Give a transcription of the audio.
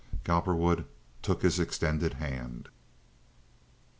Cowperwood took his extended hand.